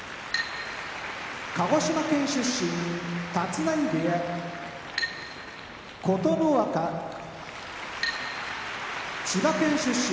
鹿児島県出身立浪部屋琴ノ若千葉県出身